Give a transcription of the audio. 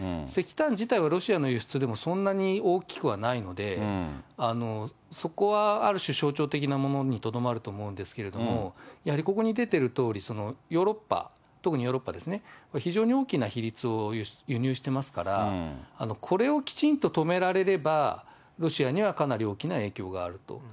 石炭自体はロシアの輸出でも、そんなに大きくはないので、そこはある種、象徴的なものにとどまると思うんですけれども、やはりここに出ているとおり、ヨーロッパ、とくにヨーロッパですね、非常に大きな比率を輸入していますから、これをきちんと止められれば、ロシアにはかなり大きな影響があると。